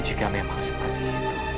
jika memang seperti itu